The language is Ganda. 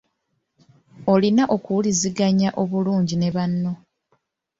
Olina okuwuliziganya obulungi ne banno.